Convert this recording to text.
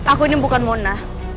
aku ini bukan mona